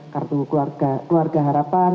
kartu keluarga harapan